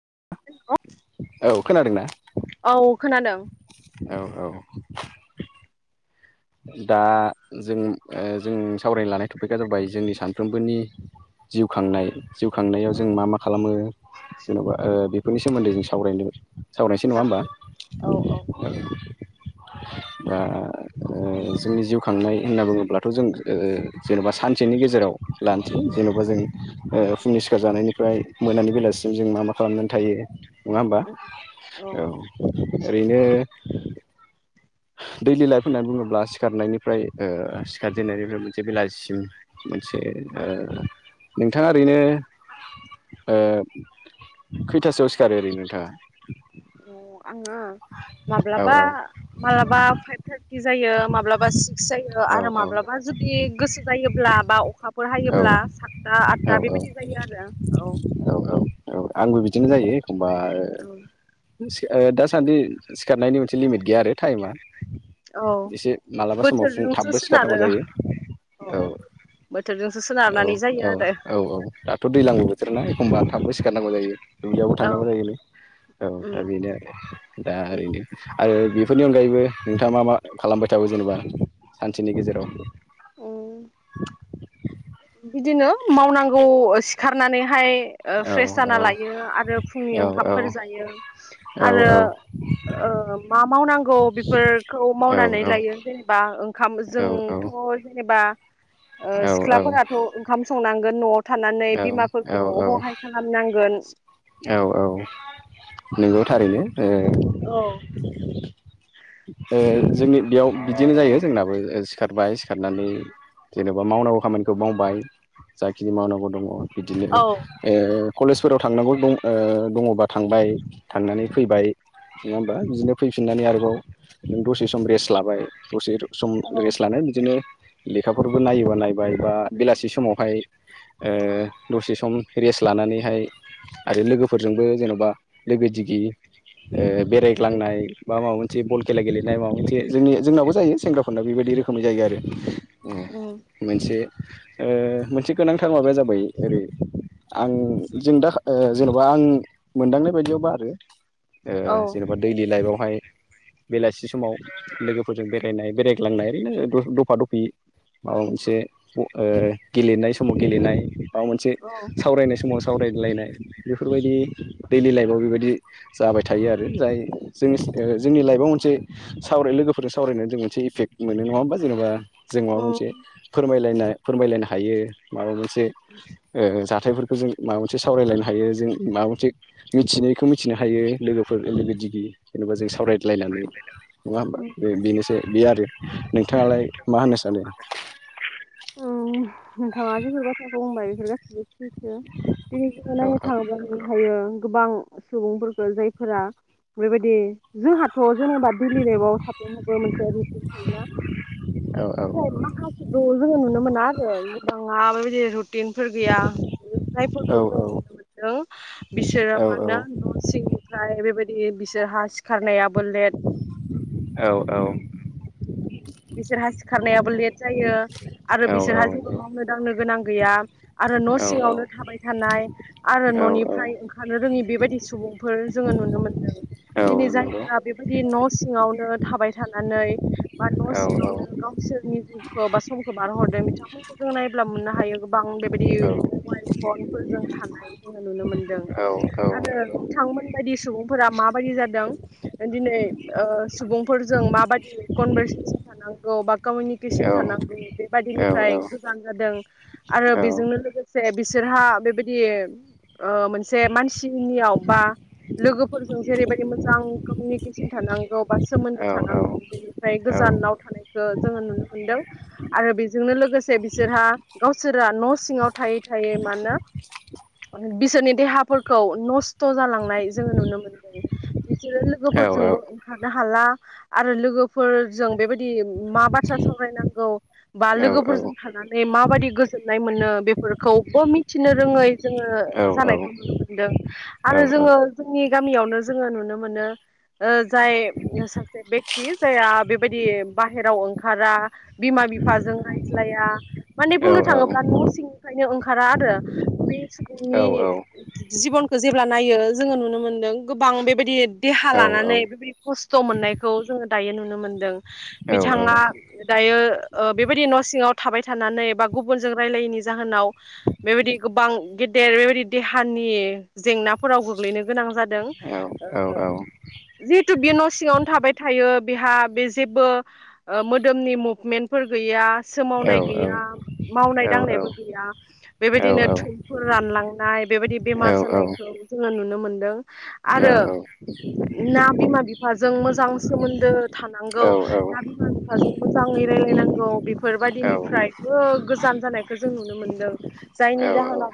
[unintelligible] [inaudible] औ! खोनादोंना? औ खोनादों। औ औ। दा जों ओ जों सावरायनो लानाय टपिकआ जाबाय जोंनि सान फ्रोमबोनि जिउ खांनाय जिउ औ खांनायाव जों मा मा खालामो। जेन'बा ओ बेफोरनि सोमोन्दै जों सावरायनो। सावरायसै नङा होमबा औ दा। ओ जोंनि जिउ खांनाय होनना बुङोब्लाथ' जों जेनबा सानसेनि गेजेराव लानोसै जेनबा जों ओ फुंनि सिखार जानायनिफ्राय मोनानि बेलासि जों मा मा खालामनानै थायो नङा होमबा औ। ओरैनो दैलि लाइफ होननानै बुङोब्ला सिखारनायनिफ्राय ओ सिखारजेननायनिफ्राय मोनसे बेलासिसिम मोनसे ओ नोंथाङा ओरैनो ओ खैथासोआव सिखारो ओरैनो नोंथाङा? अ आङो औ माब्लाबा औ मालाबा फाइभ थार्टि जायो माब्लाबा सि स्क जायो औ आरो माब्लाबा जुदि गोसो जायोब्ला बा अखाफोर औ हायोब्ला सातथा आद दा बेबायदि बायदि आरो औ। औ औ आंबो बिदिनो जायो एखमबा। औ ओ दासान्दि सिखारनायनि मोनसे लिमिट गैया आरो टाइमा। औ एसे मालाबा समाव फुं बोथोरजोंसो थाबबो सिखारनांगौ सोनारो जायो। औ बोथोरजोंसो औ सोनारनानै जायो औ आरो। औ दाथ' दैलांबो बोथोर ना एखमबा थाबबो सिखारनांगौ जायो दुब्लियावबो औ थांनांगौ जायो। औ उम दा बेनो आरो दा उम ओरैनो आरो बेफोरनि अनगायैबो। नोंथाङा मा मा खालामबाय थागौ जेनेबा सानसेनि गेजेराव। उम बिदिनो मावनांगौ सिखारनानैहाय। ओ औ फ्रेह औ जाना लायो आरो फुंनि औ ओंखामफोर जायो औ आरो ओ ओ मा मावनांगौ बेफोरखौ औ मावनानै लायो जेनेबा ओंखाम औ जोंथ' जेनेबा। औ औ। खाम संनांगोन न'आव थानानै बिमाफोरखौ औ हहाय खालामनांगोन। औ औ नोंगौ थारैनो। औ ओं जोंनि बेयाव बिदिनो जायो जोंनाबो सिखारबाय सिखारनानै। जेनबा मावनांगौ खामानिखौ मावबाय जाखिनि मावनांगौद दङ बिदिनो औ ओ कलेजफोराव थांनांगौज दं ओ दंङबा थांबाय थांनानै फैबाय। नङा होमबा बिदिनो फैफिननानै आरोबाव नों दसे सम रेस्ट लाबाय दसे सम औ रेस्ट लानाय बिदिनो लेखाफोरबो नायोबा नायबाय बा बेलासि समावहाय ओ दसे सम रेस्ट लानानैहाय आरो लोगोफोरजोंबो जेनबा लोगो दिगि ओ बेरायग्लांनाय बा माबा मोन थि बल खेला गेलेनाय माबा मोनसे जोंनि जोंनाबबो जायो सेंग्राफोरना बेबायदि रोखोमै जायो आरो। उम मोनसे ओ मोनसे गोनांथार माबाया जाबाय ओरै आं जों दाख ओ जेनबा आं मोनदांनाय बायदियावबा आरो ओ औ जेनबा दैलि लाइफआवहाय। बेलासि समाव लोगोफोरजों बेरायनाय बेरायग्लांनाय ओरैनो दफा दफि। माबा मोनसे अ ओ गेलेनाय समाव गेलेनाय। माबा मोनसे औ सावरायनाय समाव सावरायदलायनाय। बेफोरबायदि दैलि लाइफआव बेबायदि जाबाय थायो आरो जाय जोंनिस ओ जोंनि लाइफ बा मोनसे सावराय लोगोफोरजों सावरायना जों मोनसे इफेक्ट मोनो नङा होमबा जेनेबा। जों माबा उम मोनसे फोरमायलाय फोरमायलायनो हायो माबा मोनसे ओ जाख थायफोरखौ जों माबामोनसे सावरायलायनो माबा मोनसे मिथिनायखौ मिथिनो हायो लोगोफोर लोगो दिगि जेनेबा जों सावराय लायनानै नङा होमबा? बे बेनोसै बे आरो नोंथाङालाय मा होनो सानो? उम नोंथाङा जेफोर बाथ्राखौ बुंबाय बेफोर गासिबो सैथो दिनै औ नायनो थाङोब्ला हायो। गोबां सुबुंफोरखौ जायफोरा बेबायदि जों हाथ' जेनेबा दिल्ली लबाव थाै हाबो मोनसे रिसिम थायोना औ औ ओफ्राय माखासेखौ जोङो नुनो मोना आरो जखां आ बेे टेनफोर गैया औ जायफोरखौ जों नुनो मोनदों बिसोरो मानो न' सिंनिफ्राय बेबायदि बिसोरहा सिखारनायाव औ औ। बिसोरहा सिखारनायाबो लेट जायो आरो बिसोरहा जेबो नंगौ मावनो दांनो गोनां गैया। आरो न' औ सिङावनो औ नंगौ थाबाय थानाय आरो औ औ न'निफ्राय ओंखारनो रोङि बेबायदि सुबुंफोर जोङो नुनो मोनदों औ नंगौ औ दिनै औ औ औ जायफोरा बेबाय दि न' सिङावनो थाबाय थानानै न' सिङावनो गावसोरनि जिउखौ बा समखौ बारहरदों बिथांमोनखौ जोङो नायब्ला मोननो हायो गोबां बे [unintelligible] औ मबाइ फनफोरजों थानाय जों नुनो मोनदों आरो बिथांमोन बायदि सुबुंफोरा माबायदि जादों दिनै ओ सुबुंफोरजों माबायदि कनभारसन [unintelligible] थानांगौ बेबायदिनिफ्राय गोजान जादों आरो बेजों लोगोसे बिसोरहा बेबायदि ओ मोनसे मानसिनियाव बा लोगोफोरजों जेरैबायदि मोजां कमिउनिकेसन थानांगौ बा सोमोन्दो थानांगौ बेनिफ्राय गोजानाव थानाय जोङो नुनो मोनदों आरो बेजोंनो लोगोसे बिसोरहा गावसोरा न' सिङाव थायै थायै मानना बिसोरनि देहाफोरखौ नस्थ' जालांनाय जोङो नुनो मोनदों। बिसोरो लोगोफोरजोंबो ओंखारनो हाला आरो लोगोफोर जों बेबायदि मा बाथ्रा सावरायनांगौ बा लोगोफोरजों थानानै मा माबाददि गोजोननाय मोनो बेफोरखौबो मिथिनो रोङै जोङो जानायखौ नुनो मोनदों आरो जोङो जोंनि गामियावनो जोङो नुनो मोनो ओ जाय सासे बेगथि जाया बिदि बाहेराव ओंखारा बिमा बिफाजों रायज्लाया माने बुंनो थाङोब्ला न' सिंनिफ्रायनो ओंखारा आरो बे सुबुंनि जिबनखौ जेब्ला नायो जोङो नुनो मोन्दों गोबां बेबायदि देहा लानानै बेबायदि खस्थ' मोननायखौ जोङो दायो नुनो मोनदों। बिथाङा दायो ओ बेबायदि न' सिङाव थाबाय थानानै बा गुबुनजों रायलायिनि जाहोनाव बेबायदि गोबां गेदेर बेबायदि देहानि जेंनाफोराव गोग्लैनो गोनां जादों ओ जिहेथु बियो न' सिङावनो थाबाय थायो बेहा बे जेबो मोदोमनि मुभमेन्टफोर गैया, सोमावनाय गैया, मावनाय दांनाय बो गैया बेबायदिनो थैफोर रानलांनाय बेबायदि बेमार जानायखौ जोङो नुनो मोन दों आरो ना बिमा बिफाजों मोजां सोमोन्दो थानां खौ औ औ औ ना बिमा बिफाजों मोजाङै रायलायनांगौ बेफोरबायदिनिफ्रायबो गोजान जानायखौ जों नुनो मोनदों। जायनि जाहोनाव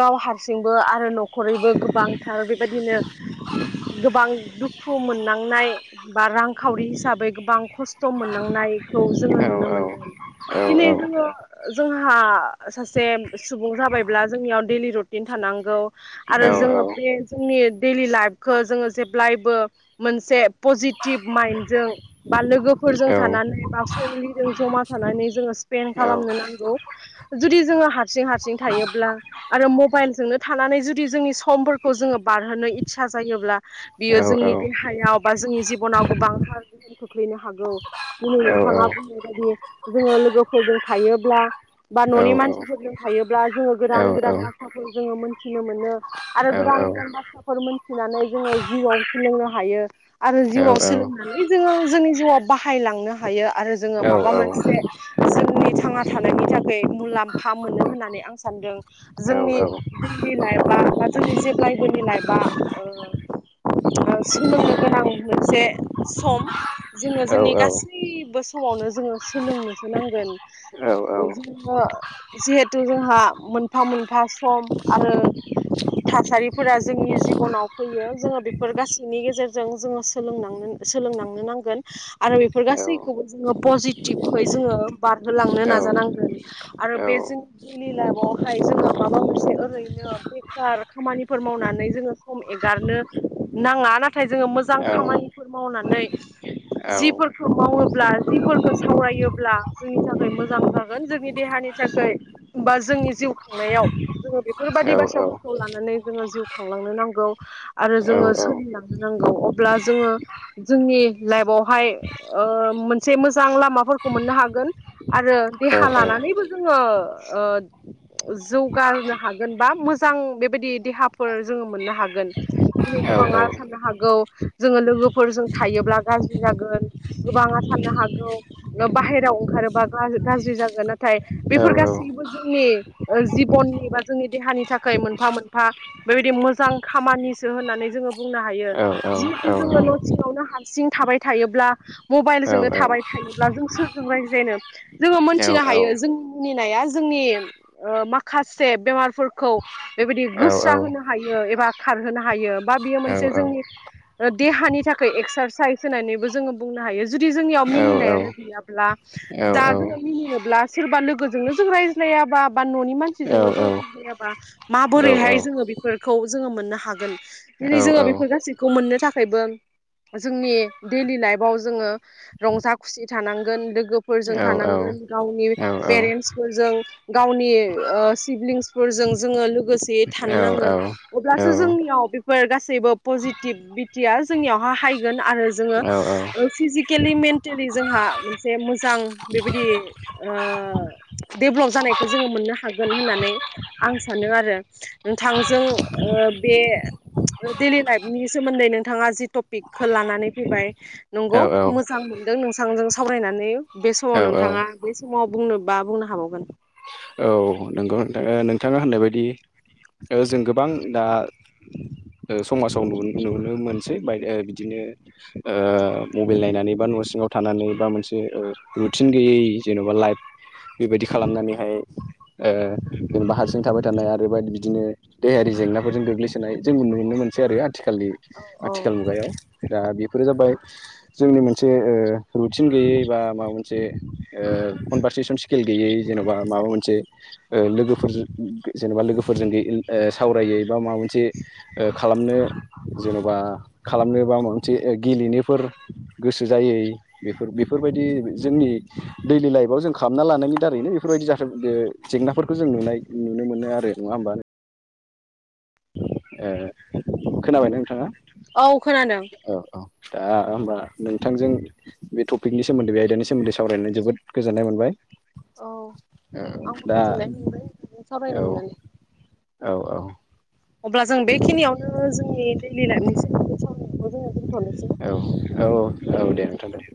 गाव हारसिंबो आरो न'खरैबो गोबांथार बेबायदिनो गोबां दुखु मोननांनाय बा रांखावरि हिसाब बै गोबां खस्थ' मोननांनायखौ जोङो नुनो मोनदों। दिनै जोङो जोंहा हा सासे सुबुं जाबायब्ला जोंनियाव दैलि रुटिन थानांगौ आरो जोङो बे जोंनि दैलि लाइफखौ जोङो जेब्लायबो मोनसे पजिटिभ माइन्डजों बा लोगोफोरजों थानानै बा फेमिलिजों जमा थानानै जोङो स्पेन्ड खालामनो नांगौ। जुदि जोङो हारसिं हारसिं थायोब्ला आरो मबाइलजोंनो थानानै जुदि जोंनि समफोरखौ जोङो बारहोनो इसा जायोब्ला बियो जोंनि देहायाव बा जोंनि जिबनाव गोबांथार [unintelligible] खोख्लैनो हागौ दिनै नोंथाङा बुंनाय बायदि जोङो लोगोफोरजों थायोब्ला बा न'नि मानसिफोरजों थायोब्ला जोङो गोदान-गोदान बाथ्राफोर जोङो मोनथिनो मोनो आरो गोदान गोदान-गोदान बाथ्राफोर मोनथिनानै जोङो जिउआव सोलोंनो हायो आरो जिउआव सोलोंनानै जोङो जोंनि जिउआव बाहायलांनो हायो आरो जोङो माबा मोनसे जोंनि थांना थानायनि थाखै मुलाम्फा मोनो होननानै आं सानदों जोंनि दैलि लाइफआ बा जोंनि जेब्लायबो नि लाइफआ ओ सोलोंनो गोनां मोनसे सम। जोङो जोंनि गासैबो समावनो जोङो सोलोंनोसो नांगोन। जोङो जिहेथु जोंहा मोनफा-मोनफा सम आरो थासारिफोरा जोंनि जिब'नाव फैयो जोङो बेफोर गासैनि गेजेरजों जोङो सोलोंनांगोन। सोलोंलांनो नां गोन आरो बेफोर गासैखौबो जोङो पजिटिबहै जोङो बारहोलांनो नाजानांगोन। आरो बे जोंनि दैलि लाइफआवहाय जोङो माबा मोनसे ओरैनो बेखार खामानिफोर मावना नै जोङो सम एगारनो नाङा। नाथाय जोङो मोजां खामानिफोर मावनानै जिफोरखौ मावोब्ला जिफोरखौ सावरायोब्ला जोंनि थाखाय मोजां जागोन जोंनि दे हानि थाखाय बा जोंनि जिउ खांनायाव जोङो बेफोरबायदि बाथ्राफोरखौ लानानै जोङो जिउ खांलांनो नांगौ। आरो जोङो सोलिलांनो नांगौ। अब्ला जोङो जोंनि लाइफआवहाय ओ मोनसे मोजां लामाफोरखौ मोननो हागोन आरो देहा लाना नैबो जोङो ओ जौगानो हागोन बा मोजां बेबायदि देहा फोर जोङो मोननो हागोन। दिनै गोबाङा साननो हागौ जोङो लोगोफोरजों थायोब्ला गाज्रि जागोन गोबाङा साननो हागौ ओ बाहेराव ओंखारोबा गा-गाज्रि जागोन ना थाय बेफोर गासैबो जों नि ओ जिब'ननि बा जोंनि देहानि थाखाय मोनफा मोनफा बेबायदि मोजां खामानि सो होननानै जोङो बुंनो हायो। जिहेतु जोङो न' सिङावनो हाब सिं थाबाय थायोब्ला मबाइलजोंनो थाबाय थायोब्ला जों सोरदों रायज्लायनो? जोङो मोनथिया हायो जोंनि मिनिनाया जोंनि ओ माखासे बेमारफोरखौ बेबायदि गोस सा होनो हायो‌। एबा खारहोनो हायो बा बियो मोनसे जोंनि ओ देहानि थाखाय एक्सार साइस होन्नानैबो जोङो बुंनो हायो। जुदि जोंनियाव मिनिनायानो गैयाब्ला दा जोङो मिनिनोब्ला सोरबा लोगोजोंनो जों रायज्लायाबा बा न'नि मानसिजोंनो जों रायज्लायाबा माबोरैहाय जों ओ बेफोरखौ जोङो मोननो हागोन। दिनै जोङो बेफोर गासैखौ मोननो थाखायबो [inaudible] जोंनि दैलि लाइफआव जोङो रंजा, खुसि थानांगोन। लोगोफोरजों थानांगोन गाव गावनि पेरेन्टसफोरजों गावनि ओ सिभलिंसफोरजों जोङो लोगोसे था थानो नांगोन। अब्लासो जोंनियाव बेफोर गासैबो पजिटिभ बिटिया जोंनियावहा हाय गोन आरो जोङो ओ फिजिकेलि मेन्टेलि जोंहा मोनसे मोजां बिबायदि ओ डेभ्लप जानायखौ जोङो मोननो हागोन होननानै आं सानो आरो। नोंथांजों ओ बे डेलि लाइफनि सोमोन्दै नोंथाङा जि टपिक खो लानानै फैबाय नंगौ मोजां मोनदों नोंथांजों सावरायनानै। बे समाव औ औ नोंथाङा बे समाव बुंनोबा बुंनो हाबावगोन। [inaudible] नंगौ नोंथां ओ नोंथाङा होननाय बादि ओ जों गोबां दा ओ समाजाव नु-नुनो मोनसै बाय ओ बिदिनो ओ मबाइल नायनानै बा न' सिङाव थानानै बा मोनसे ओ रुटिन गैयै जेन'बा लाइफ बेबायदि खालामनानैहाय ओ बा हारसिं थाबाय थानाय आरो बा बिदिनो देहायारि जेंनाफोरजों गोग्लैसोनाय जों नुनो मोनसै आरो। आथिखालनि आथिखाल मुगायाव। दा बेफोरो जाबाय जोंनि मोनसे ओ रुथिन गैयै बा माबा मोनसे ओ ओ कनभारसेसन सिकिल गैयै जेन'बा माबा मोनसे ओ लोगोफोरजो जेनेबा लोगोफोरजों सावरायो बा माबा मोनसे खालामनो जेन'बा खालामनोबा माबा मोनसे ए गिलेनोफोर गोसो जायै बेफोर बेफोरबायदि जोंनि दैलि लाइफआव जों खालामना लानायनि दारैनो बेफोरबायदि जाथाय ओ जेंनाफोरखौ जों नुनाय नुनो मोनो आरो नङा होमबा नों ओ खोनाबाय नोंथाङा? औ खोनादों। औ औ दा होमबा नोंथांजों बे टपिकनि सोमोन्दै बे आयदानि सोमोन्दै सावरायनो जोबोद गोजोननाय मोनबाय। औ औ आंबो दा गोजोननाय मोनबाय नोंथांजों सावरायनो औ मोननानै औ औ अब्ला जों बेखिनियावनो जोंनि दैयलि लाइफनि सोमोन्दै सावरायखौ जोङो दोन औ औ औ औ दे नोंथां दे।